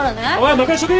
任しとけ！